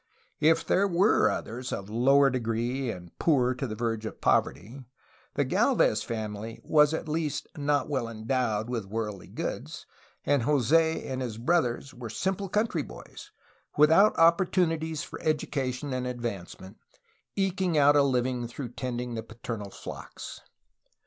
If there were others of lower degree and poor to the verge of poverty, the Gd lvez family was at least not well endowed with worldly goods, and Jos6 and his brothers were simple country boys, without opportunities for education and advancement, eking out a living through tending the paternal flocks.